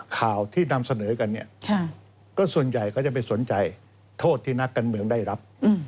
ข่าวที่นำเสนอกันเนี่ยก็ส่วนใหญ่เขาจะไปสนใจโทษที่นักการเมืองได้รับ